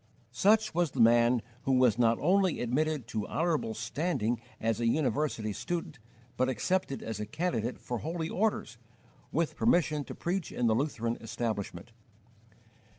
Such was the man who was not only admitted to honourable standing as a university student, but accepted as a candidate for holy orders, with permission to preach in the Lutheran establishment.